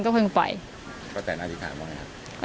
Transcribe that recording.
ก็แต่อธิษฐานว่าไงครับ